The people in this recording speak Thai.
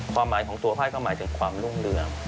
ความหมายของตัวไพ่ก็หมายถึงความรุ่งเรือง